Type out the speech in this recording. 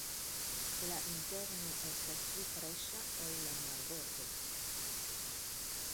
La interno estas pli freŝa ol la marbordo.